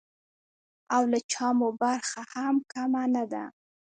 او له چا مو برخه هم کمه نه ده.